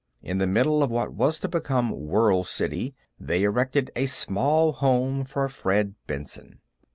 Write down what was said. In the middle of what was to become World City, they erected a small home for Fred Benson.